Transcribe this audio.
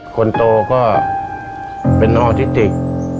คนโตก็เป็นออทิติก